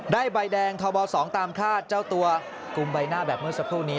ใบแดงทบ๒ตามคาดเจ้าตัวกลุ่มใบหน้าแบบเมื่อสักครู่นี้